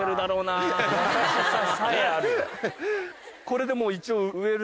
これでもう一応。